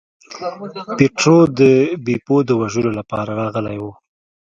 پیټرو د بیپو د وژلو لپاره راغلی و.